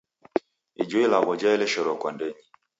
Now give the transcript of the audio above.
Ijo ilagho jaeleshero kwa ndenyi.